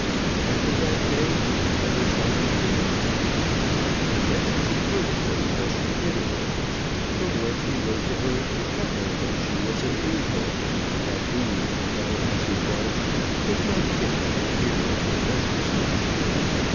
After that day she never saw him again. The next she heard of him was from Italy, from whence he wrote to her to tell her that she was an angel, and that he, devil as he was, was not fit to appear in her presence.